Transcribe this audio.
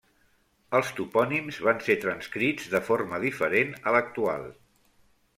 Els topònims van ser transcrits de forma diferent a l'actual.